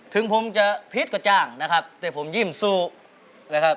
ถึงผมจะพิษกว่าจ้างนะครับแต่ผมยิ่มสู้เลยครับ